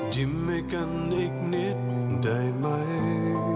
ยิ้มให้กันอีกนิดได้ไหม